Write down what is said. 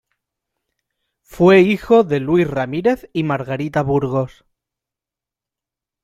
Fue hijo de Luis Ramírez y Margarita Burgos.